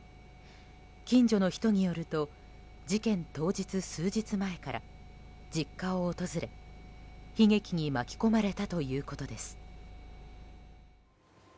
近所の人によると事件当日、数日前から実家を訪れ悲劇に巻き込まれたということです。